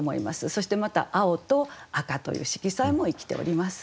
そしてまた青と赤という色彩も生きております。